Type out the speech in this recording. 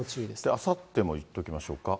あさってもいっときましょうか。